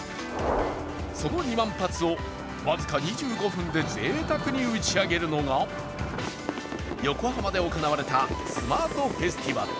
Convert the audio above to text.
その２万発を僅か２５分でぜいたくに打ち上げるのが横浜で行われたスマートフェスティバル。